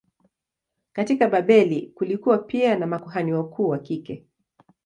Katika Babeli kulikuwa pia na makuhani wakuu wa kike.